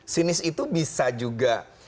sinis itu bisa juga